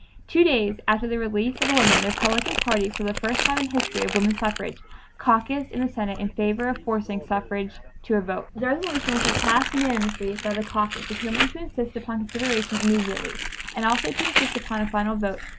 Two days after the release of the women, the Republican Party, for the first time in the history of woman suffrage, caucused in the Senate in favor of forcing suffrage to a vote. The resolution which was passed unanimously by the caucus determined to "insist upon consideration immediately" and 'also to insist upon a final vote